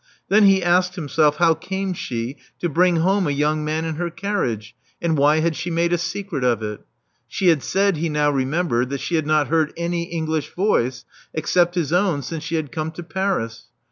Then he asked himself how came she to bring home a young man in her carriage ; and why had she made a secret of it? She had said, he now remembered, that she had not heard any English voice except his own since she had come to Paris.